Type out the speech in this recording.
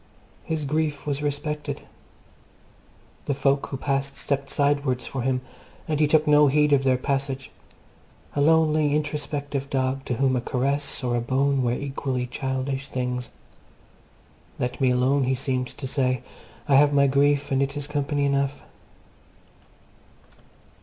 His grief was respected. The folk who passed stepped sidewards for him, and he took no heed of their passage a lonely, introspective dog to whom a caress or a bone were equally childish things: Let me alone, he seemed to say, I have my grief, and it is company enough.